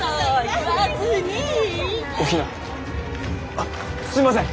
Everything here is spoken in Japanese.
あっすいません！